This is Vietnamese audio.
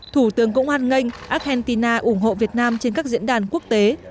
thủ tướng cũng an nganh argentina ủng hộ việt nam trên các diễn đàn quốc tế